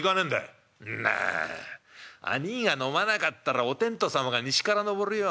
「んな兄ぃが飲まなかったらおてんとさまが西から昇るよ。